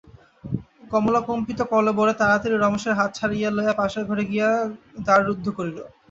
কমলা কম্পিত কলেবরে তাড়াতাড়ি রমেশের হাত ছাড়াইয়া লইয়া পাশের ঘরে গিয়া দ্বার রুদ্ধ করিল।